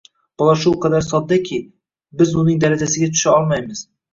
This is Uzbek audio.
Bola shu qadar soddaki, biz uning darajasiga tusha olmaymiz.